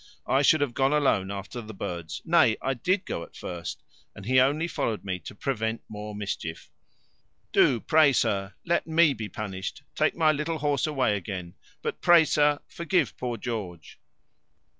I should have gone alone after the birds; nay, I did go at first, and he only followed me to prevent more mischief. Do, pray, sir, let me be punished; take my little horse away again; but pray, sir, forgive poor George."